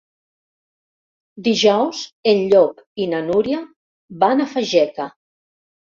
Dijous en Llop i na Núria van a Fageca.